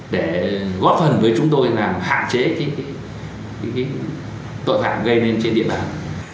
để góp phần với chúng tôi làm hạn chế những tội phạm gây nên trên địa bàn